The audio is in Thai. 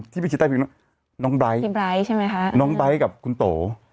พี่ฉีดใต้ผิวหนังน้องไบร์สน้องไบร์สกับคุณโต๋